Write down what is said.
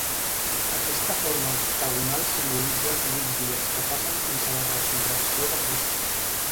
Aquesta forma octagonal simbolitza els vuit dies que passen fins a la Resurrecció de Crist.